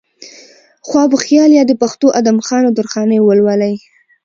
خواب وخيال يا د پښتو ادم خان و درخانۍ ولولئ